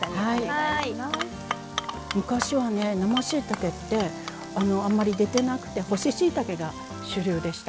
昔はね生しいたけってあんまり出てなくて干ししいたけが主流でした。